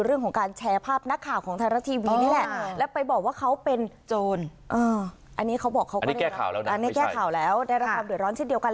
อันนี้แก้ข่าวแล้วได้รับคำเดือดร้อนเช่นเดียวกัน